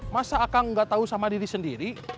masa akang gak tahu sama diri sendiri